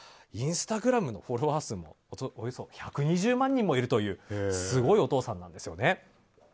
インスタグラムのフォロワー数も１２０万人もいるというすごいお父さんなんですよね。